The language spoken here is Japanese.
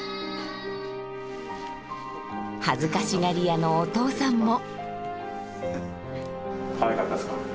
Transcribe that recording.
恥ずかしがりやのお父さんも。